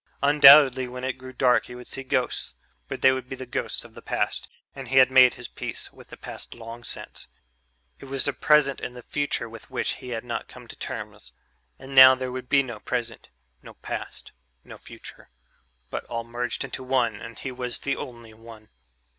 Undoubtedly when it grew dark he would see ghosts, but they would be the ghosts of the past and he had made his peace with the past long since; it was the present and the future with which he had not come to terms. And now there would be no present, no past, no future but all merged into one and he was the only one.